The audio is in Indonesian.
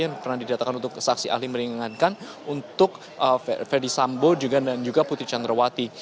yang pernah didatakan untuk saksi ahli meringankan untuk verdi sambo dan juga putri candrawati